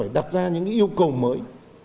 đặt ra những yêu cầu mới